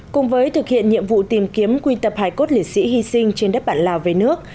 cùng với thực hiện nhiệm vụ tìm kiếm quy tập hải cốt lễ sĩ hy sinh trên đất bản lào về nước